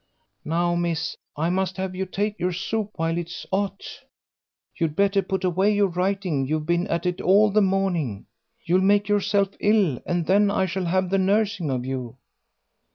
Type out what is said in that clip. "Now, miss, I must 'ave you take your soup while it is 'ot. You'd better put away your writing; you've been at it all the morning. You'll make yourself ill, and then I shall have the nursing of you."